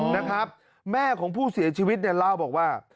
นะครับแม่ของผู้เสียชีวิตเนี่ยเล่าบอกว่า